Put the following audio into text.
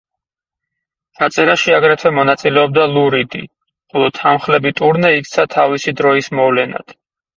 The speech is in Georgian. ჩაწერაში აგრეთვე მონაწილეობდა ლუ რიდი, ხოლო თანმხლები ტურნე იქცა თავისი დროის მოვლენად.